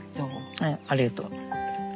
はいありがとう。